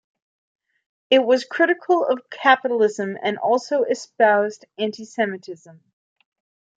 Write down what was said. It was critical of capitalism and also espoused anti-Semitism.